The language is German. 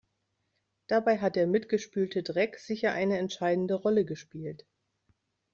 Dabei hat der mitgespülte Dreck sicher eine entscheidende Rolle gespielt.